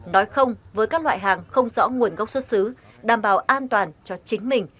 nói không với các loại hàng không rõ nguồn gốc xuất xứ đảm bảo an toàn cho chính mình